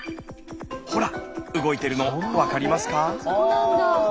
ほら動いてるの分かりますか？